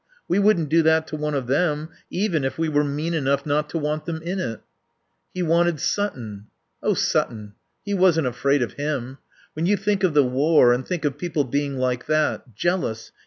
We wouldn't do that to one of them, even if we were mean enough not to want them in it." "He wanted Sutton." "Oh, Sutton He wasn't afraid of him.... When you think of the war and think of people being like that. Jealous.